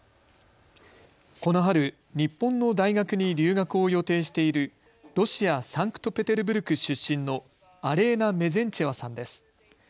この春、日本の大学に留学を予定しているロシア・サンクトペテルブルク出身のアレーナ・メゼンチェワさんです。